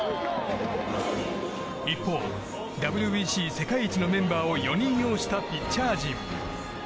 一方、ＷＢＣ世界一のメンバーを４人擁したピッチャー陣。